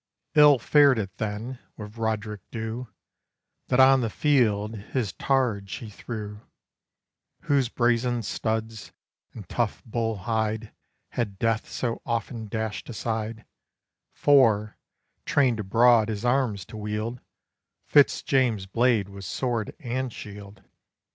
Ill fared it then with Roderick Dhu, That on the field his targe he threw, Whose brazen studs and tough bull hide Had death so often dashed aside; For, trained abroad his arms to wield, Fitz James's blade was sword and shield.